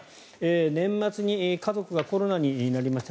年末に家族がコロナになりました。